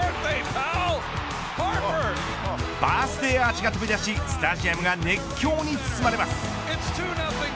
バースデーアーチが飛び出しスタジアムが熱狂に包まれます。